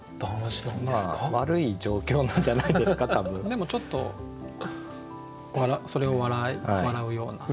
でもちょっとそれを笑うような。